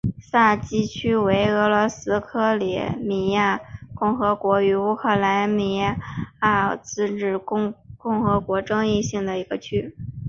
萨基区为俄罗斯克里米亚共和国与乌克兰克里米亚自治共和国争议性的一个区。